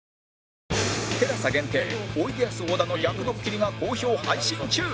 ＴＥＬＡＳＡ 限定おいでやす小田の逆ドッキリが好評配信中！